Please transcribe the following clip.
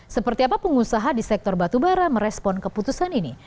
seperti apa pengusaha di sektor batubara merespon keputusan ini